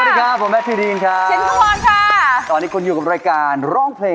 หน้าของเสียบาลเดมอย่างเตอร์